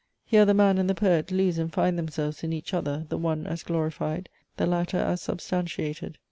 Here the Man and the Poet lose and find themselves in each other, the one as glorified, the latter as substantiated.